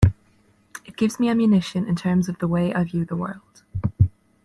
It gives me ammunition in terms of the way I view the world.